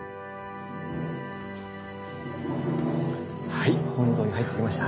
はい本堂に入ってきました。